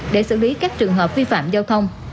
để xử lý các trường hợp vi phạm giao thông